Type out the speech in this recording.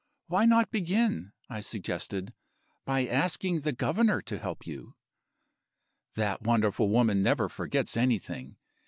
'Why not begin,' I suggested, 'by asking the Governor to help you?' That wonderful woman never forgets anything.